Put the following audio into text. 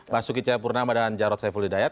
masuki cahapurnama dan jarod saifullidayat